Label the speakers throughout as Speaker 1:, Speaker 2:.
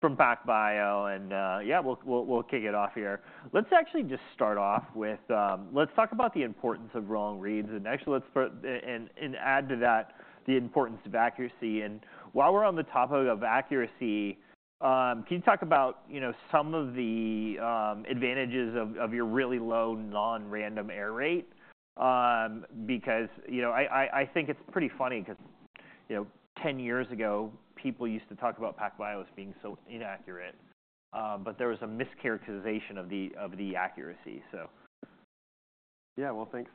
Speaker 1: From PacBio, and yeah, we'll kick it off here. Let's actually just start off with let's talk about the importance of long reads, and actually let's add to that the importance of accuracy. While we're on the topic of accuracy, can you talk about you know some of the advantages of your really low non-random error rate? Because you know I think it's pretty funny 'cause you know 10 years ago people used to talk about PacBio as being so inaccurate, but there was a mischaracterization of the accuracy, so.
Speaker 2: Yeah, well, thanks,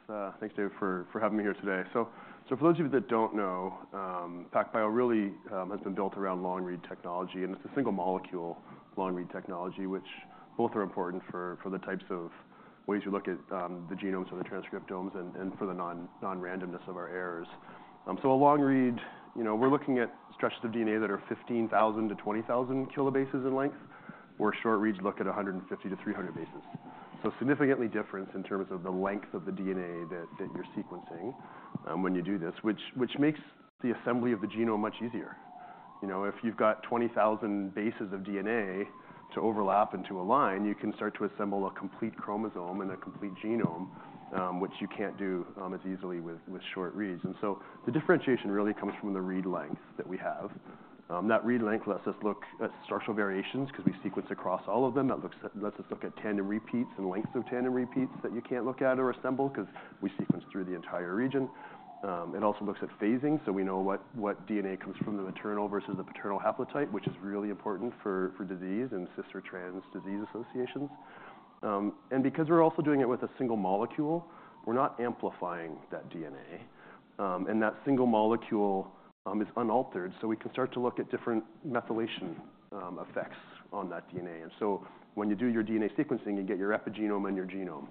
Speaker 2: David, for having me here today. So, for those of you that don't know, PacBio really has been built around long-read technology, and it's a single-molecule long-read technology, which both are important for the types of ways you look at the genomes or the transcriptomes and for the non-randomness of our errors. So a long-read, you know, we're looking at stretches of DNA that are 15,000-20,000 kilobases in length, where short-reads look at 150 bases-300 bases. So significant difference in terms of the length of the DNA that you're sequencing, when you do this, which makes the assembly of the genome much easier. You know, if you've got 20,000 bases of DNA to overlap and to align, you can start to assemble a complete chromosome and a complete genome, which you can't do as easily with short-reads, and so the differentiation really comes from the read length that we have. That read length lets us look at structural variations 'cause we sequence across all of them. That looks at, lets us look at tandem repeats and lengths of tandem repeats that you can't look at or assemble 'cause we sequence through the entire region. It also looks at phasing, so we know what DNA comes from the maternal versus the paternal haplotype, which is really important for disease and cis or trans disease associations, and because we're also doing it with a single molecule, we're not amplifying that DNA. And that single molecule is unaltered, so we can start to look at different methylation effects on that DNA. And so when you do your DNA sequencing, you get your epigenome and your genome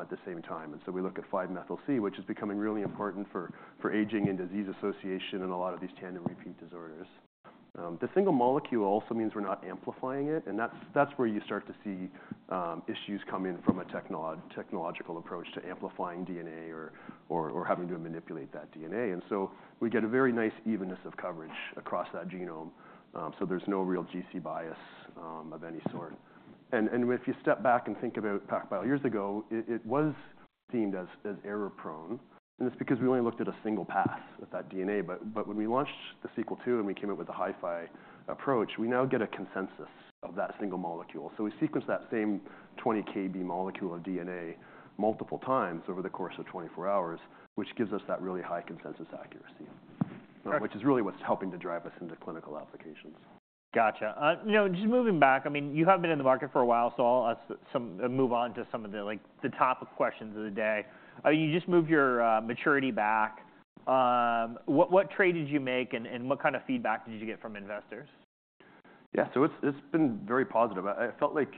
Speaker 2: at the same time. And so we look at 5-methyl-C, which is becoming really important for aging and disease association and a lot of these tandem repeat disorders. The single molecule also means we're not amplifying it, and that's where you start to see issues coming from a technological approach to amplifying DNA or having to manipulate that DNA. And so we get a very nice evenness of coverage across that genome, so there's no real GC bias of any sort. If you step back and think about PacBio years ago, it was deemed as error-prone, and it's because we only looked at a single pass with that DNA. When we launched the Sequel II and we came up with the HiFi approach, we now get a consensus of that single molecule. We sequence that same 20 kb molecule of DNA multiple times over the course of 24 hours, which gives us that really high consensus accuracy, which is really what's helping to drive us into clinical applications.
Speaker 1: Gotcha. You know, just moving back, I mean, you have been in the market for a while, so I'll ask some move on to some of the, like, the topic questions of the day. I mean, you just moved your maturity back. What, what trade did you make, and, and what kind of feedback did you get from investors?
Speaker 2: Yeah, so it's been very positive. I felt like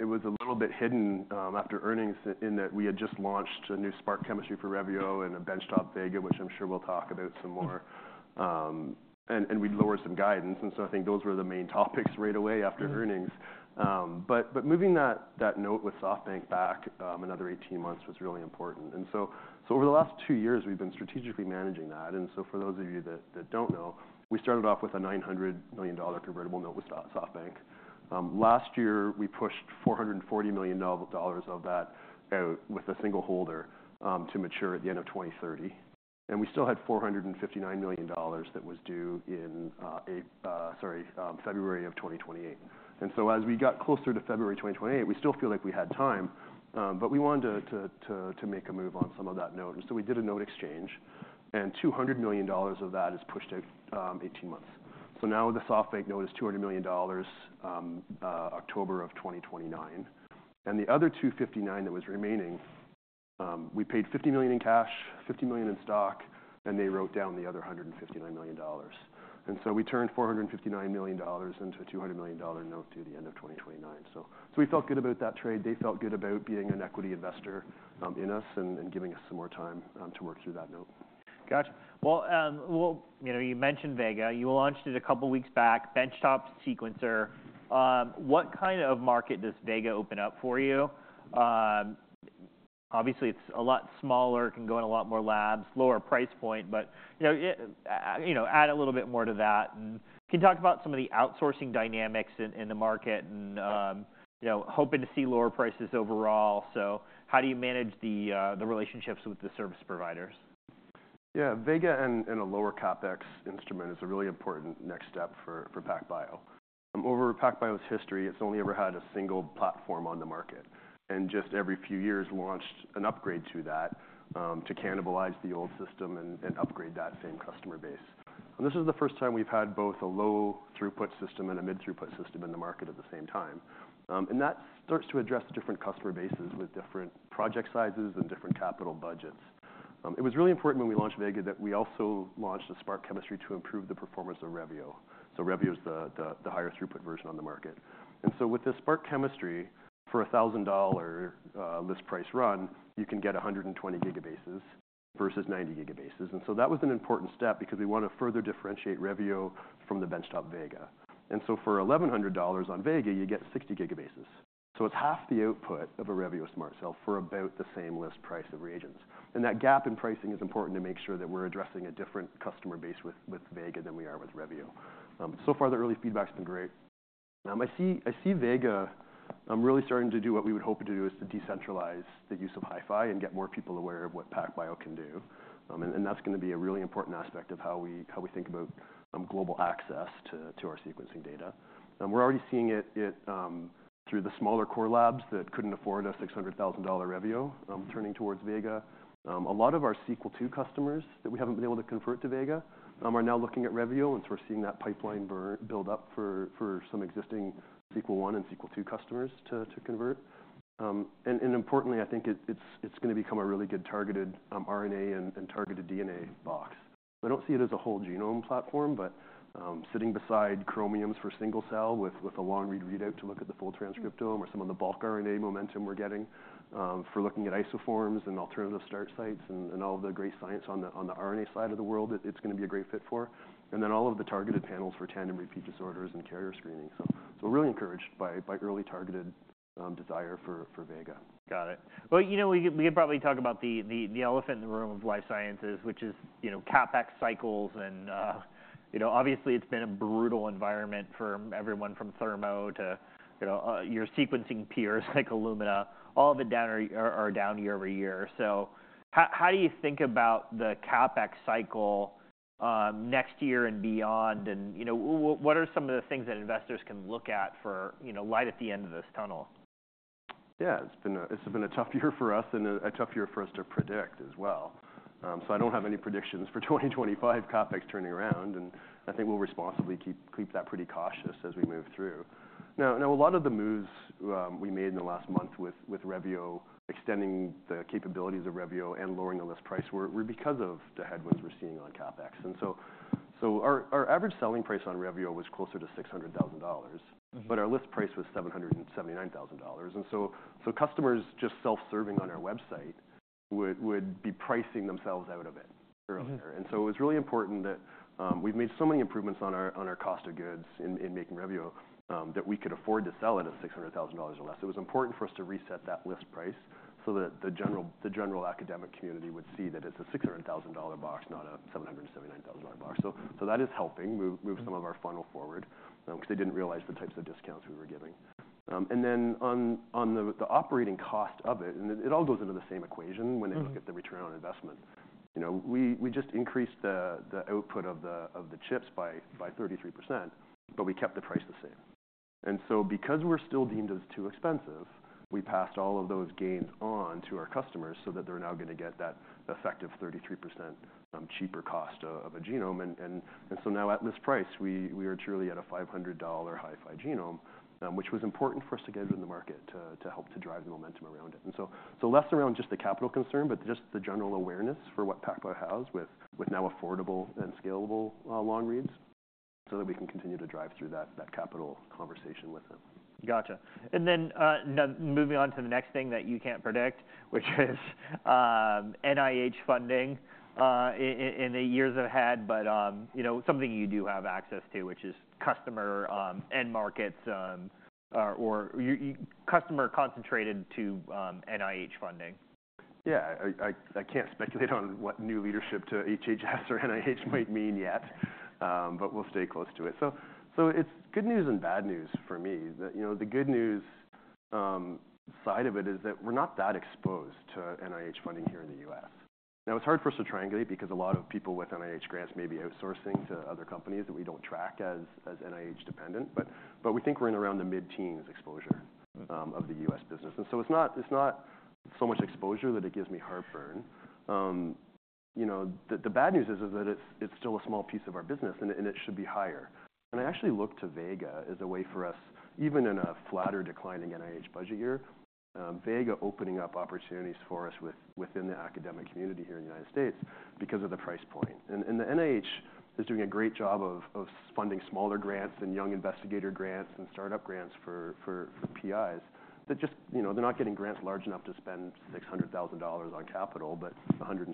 Speaker 2: it was a little bit hidden after earnings in that we had just launched a new SPRQ chemistry for Revio and a benchtop Vega, which I'm sure we'll talk about some more. And we'd lowered some guidance, and so I think those were the main topics right away after earnings. But moving that note with SoftBank back another 18 months was really important. And so over the last two years, we've been strategically managing that. And so for those of you that don't know, we started off with a $900 million convertible note with SoftBank. Last year, we pushed $440 million of that out with a single holder to mature at the end of 2030. And we still had $459 million that was due in February of 2028. As we got closer to February 2028, we still feel like we had time, but we wanted to make a move on some of that note. And so we did a note exchange, and $200 million of that is pushed out 18 months. So now the SoftBank note is $200 million, October of 2029. And the other $259 million that was remaining, we paid $50 million in cash, $50 million in stock, and they wrote down the other $159 million. And so we turned $459 million into a $200 million note through the end of 2029. So we felt good about that trade. They felt good about being an equity investor in us and giving us some more time to work through that note.
Speaker 1: Gotcha. Well, well, you know, you mentioned Vega. You launched it a couple weeks back, benchtop sequencer. What kind of market does Vega open up for you? Obviously, it's a lot smaller, can go in a lot more labs, lower price point, but, you know, add a little bit more to that. And can you talk about some of the outsourcing dynamics in the market and, you know, hoping to see lower prices overall? So how do you manage the relationships with the service providers?
Speaker 2: Yeah, Vega and a lower CapEx instrument is a really important next step for PacBio. Over PacBio's history, it's only ever had a single platform on the market and just every few years launched an upgrade to that, to cannibalize the old system and upgrade that same customer base. And this is the first time we've had both a low-throughput system and a mid-throughput system in the market at the same time. That starts to address different customer bases with different project sizes and different capital budgets. It was really important when we launched Vega that we also launched a SPRQ chemistry to improve the performance of Revio. So Revio's the higher-throughput version on the market. And so with the SPRQ chemistry, for a $1,000 list price run, you can get 120 gigabases versus 90 gigabases. And so that was an important step because we want to further differentiate Revio from the benchtop Vega. And so for $1,100 on Vega, you get 60 gigabases. So it's half the output of a Revio SMRT Cell for about the same list price of reagents. And that gap in pricing is important to make sure that we're addressing a different customer base with, with Vega than we are with Revio. So far, the early feedback's been great. I see, I see Vega, really starting to do what we would hope it to do is to decentralize the use of HiFi and get more people aware of what PacBio can do. And, and that's gonna be a really important aspect of how we, how we think about, global access to, to our sequencing data. We're already seeing it through the smaller core labs that couldn't afford a $600,000 Revio, turning towards Vega. A lot of our Sequel II customers that we haven't been able to convert to Vega are now looking at Revio, and so we're seeing that pipeline build up for some existing Sequel I and Sequel II customers to convert. And importantly, I think it's gonna become a really good targeted RNA and targeted DNA box. I don't see it as a whole genome platform, but sitting beside Chromiums for single-cell with a long-read readout to look at the full transcriptome or some of the bulk RNA momentum we're getting for looking at isoforms and alternative start sites and all the great science on the RNA side of the world, it's gonna be a great fit for. Then all of the targeted panels for tandem repeat disorders and carrier screening. We're really encouraged by early targeted desire for Vega.
Speaker 1: Got it. Well, you know, we can probably talk about the elephant in the room of life sciences, which is, you know, CapEx cycles and, you know, obviously, it's been a brutal environment for everyone from Thermo to, you know, your sequencing peers like Illumina, all of it down are down year over year. How do you think about the CapEx cycle next year and beyond? What are some of the things that investors can look at for, you know, light at the end of this tunnel?
Speaker 2: Yeah, it's been a tough year for us and a tough year for us to predict as well. I don't have any predictions for 2025 CapEx turning around, and I think we'll responsibly keep that pretty cautious as we move through. Now, a lot of the moves we made in the last month with Revio, extending the capabilities of Revio and lowering the list price, were because of the headwinds we're seeing on CapEx. Our average selling price on Revio was closer to $600,000, but our list price was $779,000. Customers just self-serving on our website would be pricing themselves out of it earlier. It was really important that we've made so many improvements on our cost of goods in making Revio, that we could afford to sell at a $600,000 or less. It was important for us to reset that list price so that the general academic community would see that it's a $600,000 box, not a $779,000 box. So that is helping move some of our funnel forward, 'cause they didn't realize the types of discounts we were giving. And then on the operating cost of it, it all goes into the same equation when they look at the return on investment. You know, we just increased the output of the chips by 33%, but we kept the price the same. And so because we're still deemed as too expensive, we passed all of those gains on to our customers so that they're now gonna get that effective 33% cheaper cost of a genome. And so now at list price, we are truly at a $500 HiFi genome, which was important for us to get into the market to help drive the momentum around it. So less around just the capital concern, but just the general awareness for what PacBio has with now affordable and scalable long-reads so that we can continue to drive through that capital conversation with them.
Speaker 1: Gotcha. And then, now moving on to the next thing that you can't predict, which is NIH funding in the years ahead, but you know, something you do have access to, which is customer end markets, or your customer concentration to NIH funding.
Speaker 2: Yeah, I can't speculate on what new leadership to HHS or NIH might mean yet, but we'll stay close to it. So it's good news and bad news for me that, you know, the good news side of it is that we're not that exposed to NIH funding here in the U.S. Now, it's hard for us to triangulate because a lot of people with NIH grants may be outsourcing to other companies that we don't track as NIH dependent, but we think we're in around the mid-teens exposure of the U.S. business. And so it's not so much exposure that it gives me heartburn, you know, the bad news is that it's still a small piece of our business and it should be higher. I actually look to Vega as a way for us, even in a flatter declining NIH budget year, Vega opening up opportunities for us with, within the academic community here in the United States because of the price point. And the NIH is doing a great job of funding smaller grants and young investigator grants and startup grants for PIs that just, you know, they're not getting grants large enough to spend $600,000 on capital, but $160,000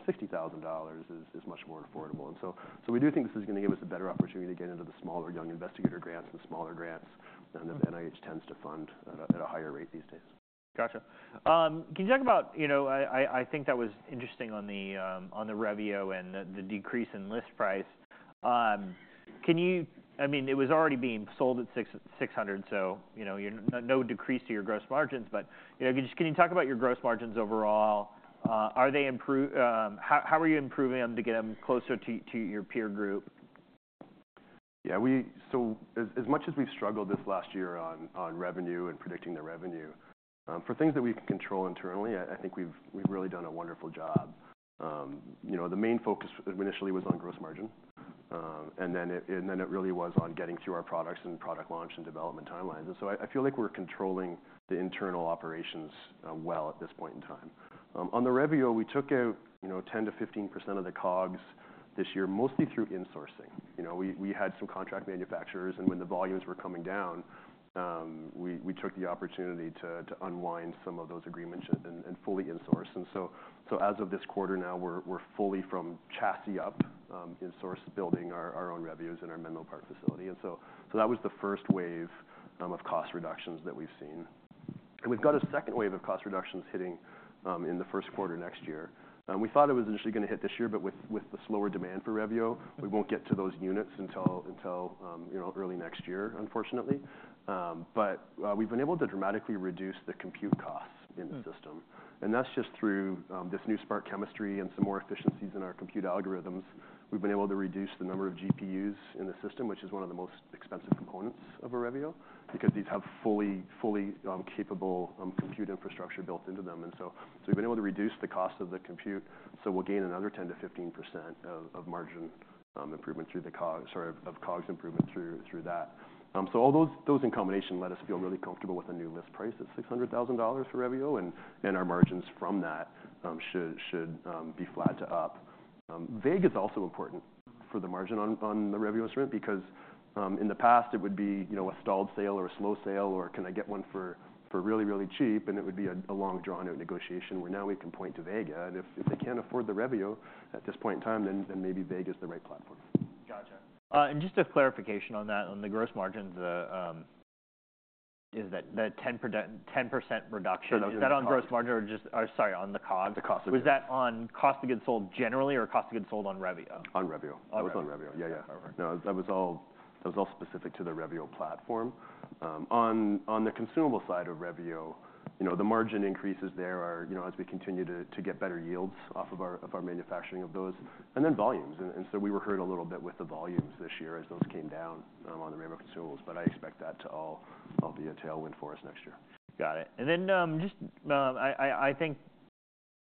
Speaker 2: is much more affordable. And so we do think this is gonna give us a better opportunity to get into the smaller young investigator grants and smaller grants than the NIH tends to fund at a higher rate these days.
Speaker 1: Gotcha. Can you talk about, you know, I think that was interesting on the Revio and the decrease in list price. Can you, I mean, it was already being sold at six hundred, so, you know, no decrease to your gross margins, but, you know, can you just talk about your gross margins overall? Are they improving? How are you improving them to get them closer to your peer group?
Speaker 2: Yeah, so as much as we've struggled this last year on revenue and predicting the revenue, for things that we can control internally, I think we've really done a wonderful job. You know, the main focus initially was on gross margin, and then it really was on getting through our products and product launch and development timelines, and so I feel like we're controlling the internal operations well at this point in time. On the Revio, we took out, you know, 10%-15% of the COGS this year, mostly through insourcing. You know, we had some contract manufacturers, and when the volumes were coming down, we took the opportunity to unwind some of those agreements and fully insource. And so as of this quarter now, we're fully from chassis up insource building our own Revios in our Menlo Park facility. And so that was the first wave of cost reductions that we've seen. And we've got a second wave of cost reductions hitting in the first quarter next year. We thought it was initially gonna hit this year, but with the slower demand for Revio, we won't get to those units until you know early next year, unfortunately. But we've been able to dramatically reduce the compute costs in the system. And that's just through this new SPRQ chemistry and some more efficiencies in our compute algorithms. We've been able to reduce the number of GPUs in the system, which is one of the most expensive components of a Revio because these have fully capable compute infrastructure built into them. And so we've been able to reduce the cost of the compute, so we'll gain another 10%-15% of margin improvement through the COGS or of COGS improvement through that. So all those in combination let us feel really comfortable with a new list price at $600,000 for Revio, and our margins from that should be flat to up. Vega's also important for the margin on the Revio instrument because, in the past, it would be, you know, a stalled sale or a slow sale or can I get one for really cheap, and it would be a long drawn-out negotiation where now we can point to Vega. And if they can't afford the Revio at this point in time, then maybe Vega's the right platform.
Speaker 1: Gotcha. And just a clarification on that, on the gross margins, is that 10% reduction on gross margin or just, or sorry, on the COGS?
Speaker 2: The cost of goods.
Speaker 1: Was that on cost of goods sold generally or cost of goods sold on Revio?
Speaker 2: On Revio.
Speaker 1: Okay.
Speaker 2: That was on Revio. Yeah, yeah. No, that was all, that was all specific to the Revio platform. On the consumable side of Revio, you know, the margin increases there are, you know, as we continue to get better yields off of our manufacturing of those. And then volumes. And so we were hurt a little bit with the volumes this year as those came down on the Revio consumables, but I expect that to all be a tailwind for us next year.
Speaker 1: Got it. And then, just, I think,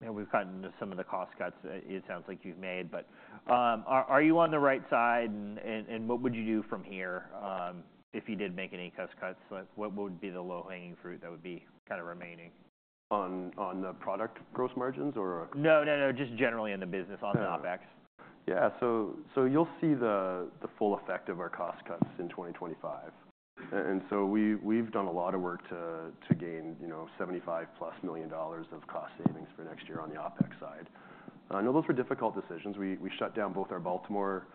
Speaker 1: you know, we've gotten to some of the cost cuts that it sounds like you've made, but, are you on the right side and what would you do from here, if you did make any cost cuts? Like, what would be the low-hanging fruit that would be kind of remaining?
Speaker 2: On the product gross margins or?
Speaker 1: No, no, no, just generally in the business on the OpEx.
Speaker 2: Yeah, yeah. So you'll see the full effect of our cost cuts in 2025. And so we've done a lot of work to gain, you know, $75+ million of cost savings for next year on the OpEx side. I know those were difficult decisions. We shut down both our Baltimore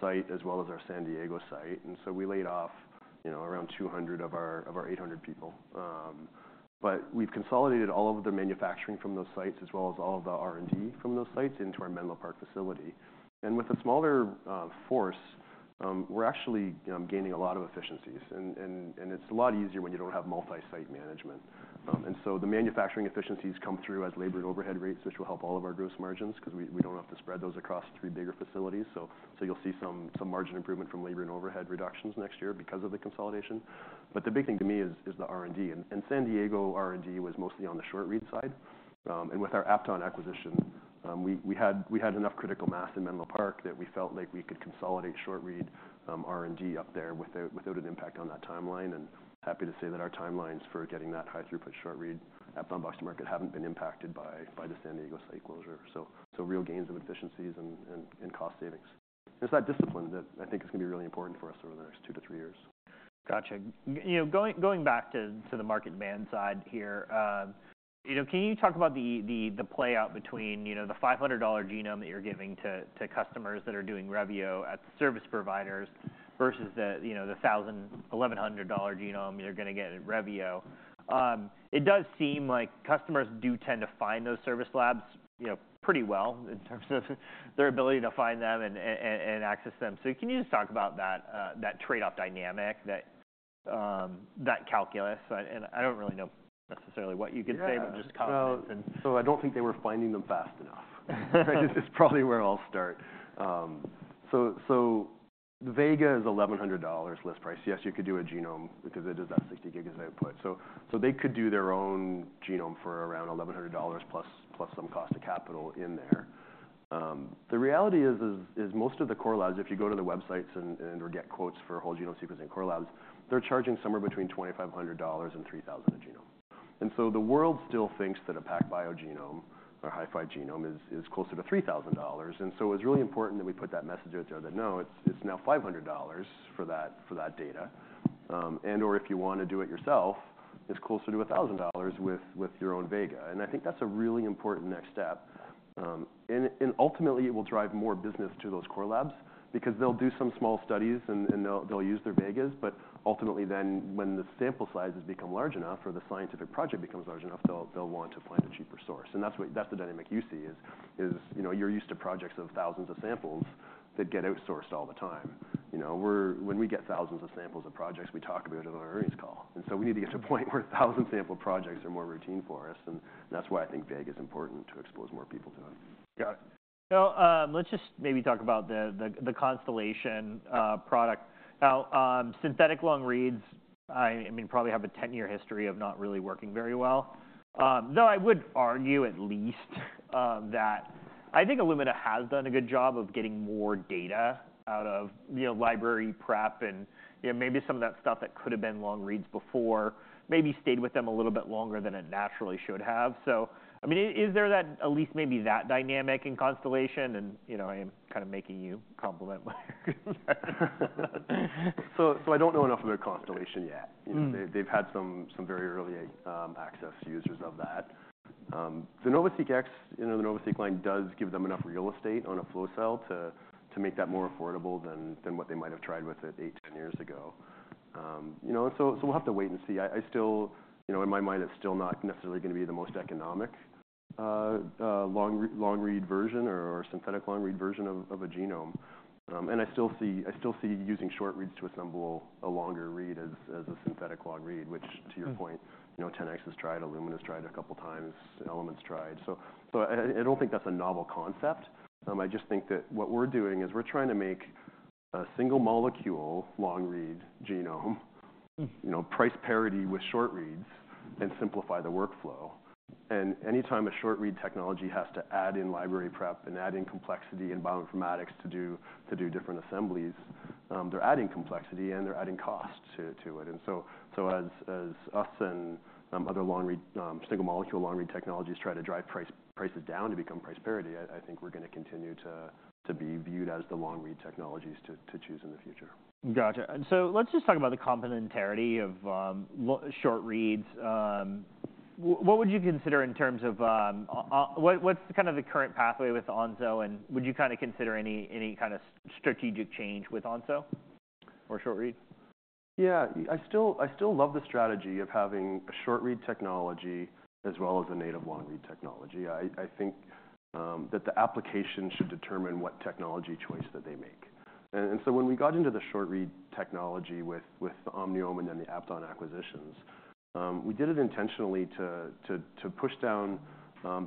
Speaker 2: site as well as our San Diego site. And so we laid off, you know, around 200 of our 800 people. But we've consolidated all of the manufacturing from those sites as well as all of the R&D from those sites into our Menlo Park facility. And with a smaller force, we're actually gaining a lot of efficiencies. And it's a lot easier when you don't have multi-site management. And so the manufacturing efficiencies come through as labor and overhead rates, which will help all of our gross margins 'cause we don't have to spread those across three bigger facilities. So you'll see some margin improvement from labor and overhead reductions next year because of the consolidation. But the big thing to me is the R&D. And San Diego R&D was mostly on the short-read side. And with our Apton acquisition, we had enough critical mass in Menlo Park that we felt like we could consolidate short-read R&D up there without an impact on that timeline. And happy to say that our timelines for getting that high-throughput short-read Apton box to market haven't been impacted by the San Diego site closure. So real gains of efficiencies and cost savings. It's that discipline that I think is gonna be really important for us over the next two to three years.
Speaker 1: Gotcha. You know, going back to the market demand side here, you know, can you talk about the play out between, you know, the $500 genome that you're giving to customers that are doing Revio at service providers versus the, you know, the $1,000, $1,100 genome you're gonna get at Revio? It does seem like customers do tend to find those service labs, you know, pretty well in terms of their ability to find them and access them. So can you just talk about that trade-off dynamic, that calculus? And I don't really know necessarily what you can say, but just cost of goods and.
Speaker 2: I don't think they were finding them fast enough. That is probably where I'll start. Vega is $1,100 list price. Yes, you could do a genome because it is that 60 gig of output. They could do their own genome for around $1,100 plus some cost of capital in there. The reality is most of the core labs, if you go to the websites and/or get quotes for whole genome sequencing core labs, they're charging somewhere between $2,500 and $3,000 a genome. The world still thinks that a PacBio genome or HiFi genome is closer to $3,000. It was really important that we put that message out there that no, it's now $500 for that data. And/or if you wanna do it yourself, it's closer to $1,000 with your own Vega. I think that's a really important next step. Ultimately it will drive more business to those core labs because they'll do some small studies and they'll use their Vegas. Ultimately when the sample sizes become large enough or the scientific project becomes large enough, they'll want to find a cheaper source. That's the dynamic you see. You know, you're used to projects of thousands of samples that get outsourced all the time. You know, when we get thousands of samples of projects, we talk about it on our earnings call. We need to get to a point where a thousand sample projects are more routine for us. That's why I think Vega's important to expose more people to it.
Speaker 1: Got it. Now, let's just maybe talk about the Constellation product. Now, synthetic long-reads, I mean, probably have a 10-year history of not really working very well. Though I would argue at least that I think Illumina has done a good job of getting more data out of, you know, library prep and, you know, maybe some of that stuff that could have been long-reads before, maybe stayed with them a little bit longer than it naturally should have. So, I mean, is there that at least maybe that dynamic in Constellation? And you know, I am kind of making you compliment my recommendation.
Speaker 2: So I don't know enough about Constellation yet. You know, they, they've had some very early access users of that. The NovaSeq X, you know, the NovaSeq line does give them enough real estate on a flow cell to make that more affordable than what they might have tried with it eight, 10 years ago. You know, and so we'll have to wait and see. I still, you know, in my mind, it's still not necessarily gonna be the most economic long-read version or synthetic long-read version of a genome. And I still see using short-reads to assemble a longer read as a synthetic long-read, which to your point, you know, 10x has tried. Illumina's tried a couple of times. Element's tried. So I don't think that's a novel concept. I just think that what we're doing is we're trying to make a single-molecule long-read genome, you know, price parity with short-reads and simplify the workflow. And anytime a short-read technology has to add in library prep and add in complexity and bioinformatics to do different assemblies, they're adding complexity and they're adding cost to it. And so as we and other long-read, single-molecule long-read technologies try to drive prices down to become price parity, I think we're gonna continue to be viewed as the long-read technologies to choose in the future.
Speaker 1: Gotcha. And so let's just talk about the complementarity of short reads. What would you consider in terms of what's kind of the current pathway with Onso? And would you kind of consider any kind of strategic change with Onso or short reads?
Speaker 2: Yeah, I still love the strategy of having a short-read technology as well as a native long-read technology. I think that the application should determine what technology choice that they make. And so when we got into the short-read technology with Omniome and then the Apton acquisitions, we did it intentionally to push down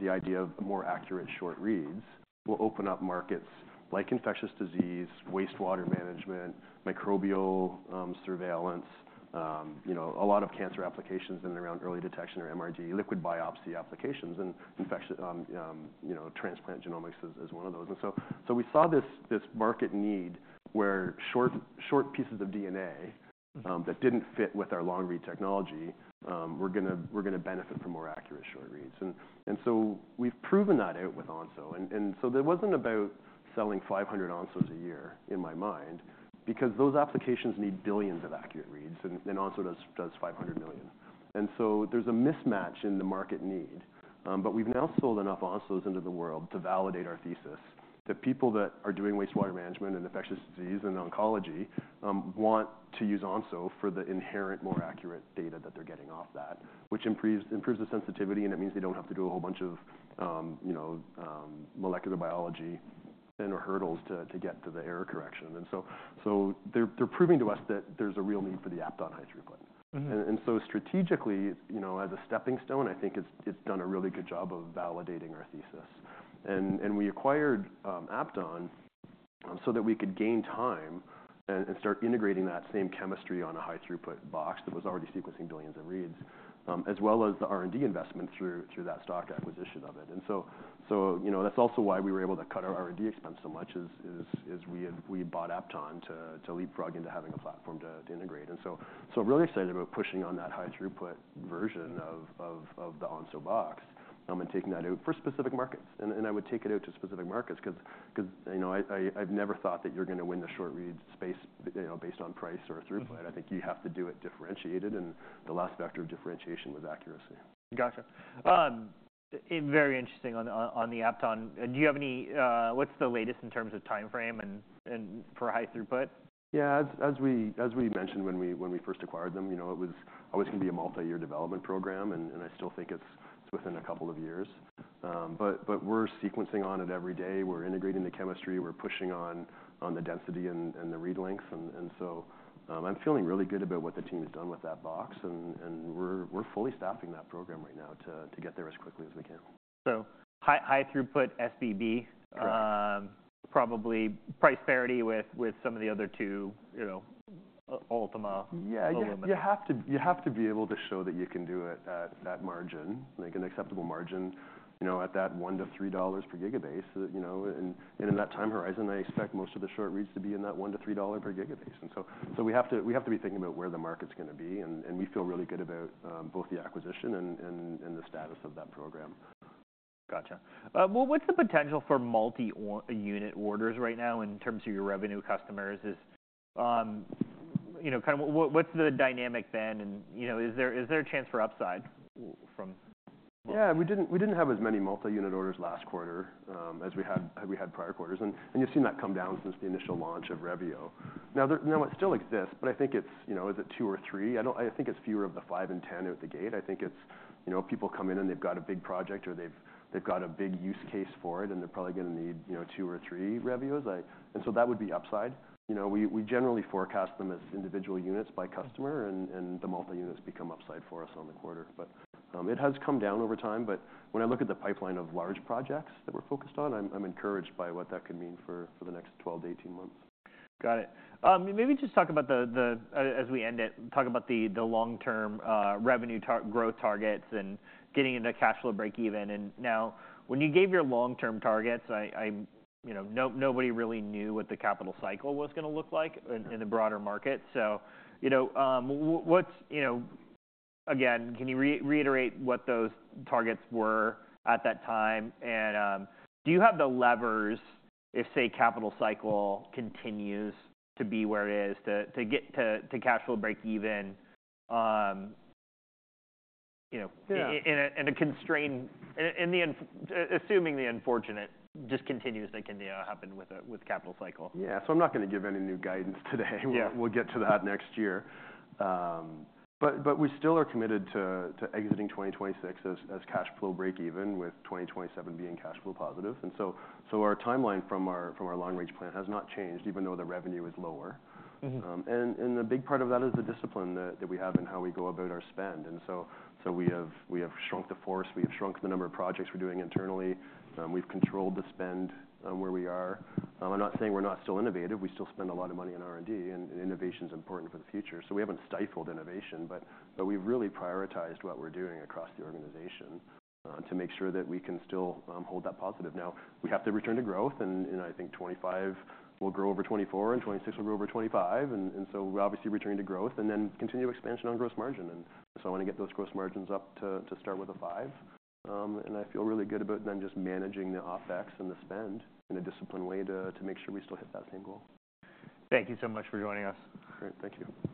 Speaker 2: the idea of more accurate short-reads. We'll open up markets like infectious disease, wastewater management, microbial surveillance, you know, a lot of cancer applications and around early detection or MRD, liquid biopsy applications and infectious, you know, transplant genomics is one of those. And so we saw this market need where short pieces of DNA that didn't fit with our long-read technology, we're gonna benefit from more accurate short-reads. And so we've proven that out with Onso. So there wasn't about selling 500 Onso a year in my mind because those applications need billions of accurate reads, and Onso does 500 million. So there's a mismatch in the market need. But we've now sold enough Onso into the world to validate our thesis that people that are doing wastewater management and infectious disease and oncology want to use Onso for the inherent more accurate data that they're getting off that, which improves the sensitivity, and it means they don't have to do a whole bunch of, you know, molecular biology and/or hurdles to get to the error correction. So they're proving to us that there's a real need for the Apton high-throughput. And so strategically, you know, as a stepping stone, I think it's done a really good job of validating our thesis. We acquired Apton so that we could gain time and start integrating that same chemistry on a high-throughput box that was already sequencing billions of reads, as well as the R&D investment through that stock acquisition of it. You know, that's also why we were able to cut our R&D expense so much is we had bought Apton to leapfrog into having a platform to integrate. I'm really excited about pushing on that high-throughput version of the Onso box, and taking that out for specific markets. I would take it out to specific markets 'cause you know, I've never thought that you're gonna win the short-read space, you know, based on price or throughput. I think you have to do it differentiated, and the last vector of differentiation was accuracy.
Speaker 1: Gotcha. Very interesting on the Apton. Do you have any? What's the latest in terms of timeframe and for high-throughput?
Speaker 2: Yeah, as we mentioned when we first acquired them, you know, it was always gonna be a multi-year development program, and I still think it's within a couple of years. But we're sequencing on it every day. We're integrating the chemistry. We're pushing on the density and the read length. And so, I'm feeling really good about what the team has done with that box. And we're fully staffing that program right now to get there as quickly as we can.
Speaker 1: So, high-throughput SBB, probably price parity with some of the other two, you know, Ultima, Illumina.
Speaker 2: Yeah, you have to be able to show that you can do it at that margin, like an acceptable margin, you know, at that $1-$3 per gigabase, you know. And in that time horizon, I expect most of the short-reads to be in that $1-$3 per gigabase. And so we have to be thinking about where the market's gonna be. And we feel really good about both the acquisition and the status of that program.
Speaker 1: Gotcha. What's the potential for multi-unit orders right now in terms of your revenue customers? You know, kind of what's the dynamic then? You know, is there a chance for upside from?
Speaker 2: Yeah, we didn't, we didn't have as many multi-unit orders last quarter as we had, had we had prior quarters. And, and you've seen that come down since the initial launch of Revio. Now there, now it still exists, but I think it's, you know, is it two or three? I don't, I think it's fewer of the five and 10 at the gate. I think it's, you know, people come in and they've got a big project or they've, they've got a big use case for it and they're probably gonna need, you know, two or three Revios. I, and so that would be upside. You know, we, we generally forecast them as individual units by customer and, and the multi-units become upside for us on the quarter. But, it has come down over time. But when I look at the pipeline of large projects that we're focused on, I'm encouraged by what that could mean for the next 12 to 18 months.
Speaker 1: Got it. Maybe just talk about, as we end it, the long-term revenue target growth targets and getting into cash flow breakeven. Now when you gave your long-term targets, you know, nobody really knew what the capital cycle was gonna look like in the broader market. You know, again, can you reiterate what those targets were at that time? Do you have the levers if, say, capital cycle continues to be where it is to get to cash flow breakeven, you know, in a constrained and the unfortunate assuming the unfortunate just continues like what happened with capital cycle?
Speaker 2: Yeah. I'm not gonna give any new guidance today. We'll get to that next year, but we still are committed to exiting 2026 as cash flow breakeven with 2027 being cash flow positive. Our timeline from our long-range plan has not changed even though the revenue is lower, and a big part of that is the discipline that we have and how we go about our spend. We have shrunk the workforce. We have shrunk the number of projects we're doing internally. We've controlled the spend where we are. I'm not saying we're not still innovative. We still spend a lot of money on R&D, and innovation's important for the future. So we haven't stifled innovation, but we've really prioritized what we're doing across the organization to make sure that we can still hold that positive. Now we have to return to growth, and I think 2025 we'll grow over 2024 and 2026 we'll grow over 2025. So we're obviously returning to growth and then continue expansion on gross margin. So I wanna get those gross margins up to start with a five, and I feel really good about then just managing the OpEx and the spend in a disciplined way to make sure we still hit that same goal.
Speaker 1: Thank you so much for joining us.
Speaker 2: Great. Thank you.